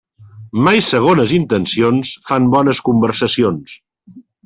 Mai segones intencions fan bones conversacions.